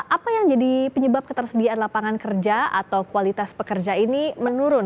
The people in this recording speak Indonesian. apa yang jadi penyebab ketersediaan lapangan kerja atau kualitas pekerja ini menurun